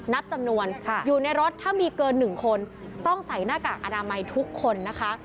นับจำนวนอยู่ในรถถ้ามีเกิน๑คนต้องใส่หน้ากากอนามัยทุกคนนะคะ